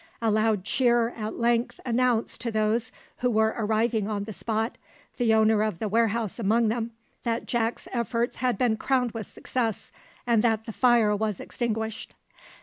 A loud cheer at length announced to those who were arriving on the spot, the owner of the warehouse among them, that Jack's efforts had been crowned with success, and that the fire was extinguished.